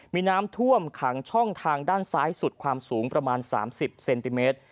มีน้ำท่วมขังช่องทางด้านซ้ายสุดความสูงประมาณ๓๐เซนติเมตร